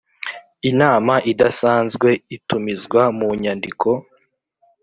Inama idasanzwe itumizwa mu nyandiko.